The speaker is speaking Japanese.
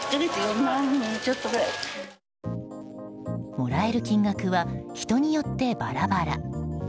もらえる金額は人によってバラバラ。